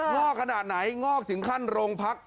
งอกขนาดไหนงอกถึงขั้นโรงพัก